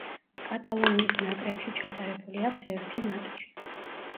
კატალონიის ნაკრებში ჩატარებული აქვს ერთი მატჩი.